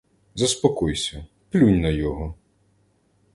Заспокойся, плюнь на його!